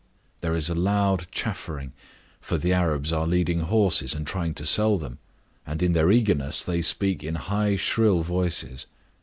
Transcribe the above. There is loud chaffering, for the Arabs are leading horses and trying to sell them; and, in their eagerness, they speak in high, shrill voices.